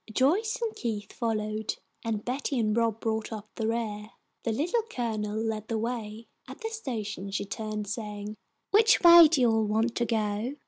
Joyce and Keith followed, and Betty and Rob brought up the rear. The Little Colonel led the way. At the station she turned, saying, "Which way do you all want to go?"